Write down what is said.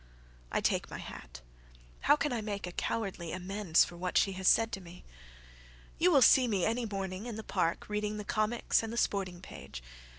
…"I take my hat: how can I make a cowardly amendsFor what she has said to me? You will see me any morning in the parkReading the comics and the sporting page.